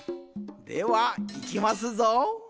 ではいきますぞ。